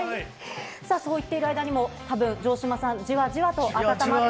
そう言っている間にも、たぶん城島さん、じわじわと温まって。